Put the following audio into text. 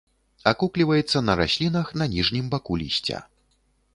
Акукліваецца на раслінах на ніжнім баку лісця.